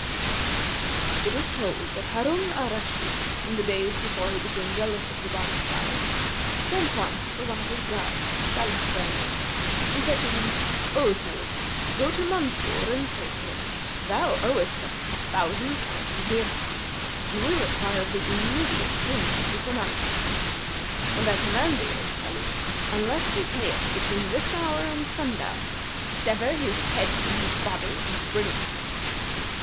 It is told that Harun al Rashid, in the days before he became jealous of the Barmecides, sent once for one of his guards, Salih by name, and said to him, "O Sбlih, go to Mansъr[FN#246] and say to him: 'Thou owest us a thousand thousand dirhams and we require of thee immediate payment of this amount.' And I command thee, O Salih, unless he pay it between this hour and sundown, sever his head from his body and bring it to me."